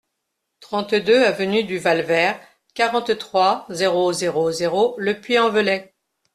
trente-deux avenue du Val Vert, quarante-trois, zéro zéro zéro, Le Puy-en-Velay